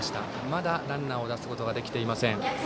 まだ、ランナーを出すことができていません。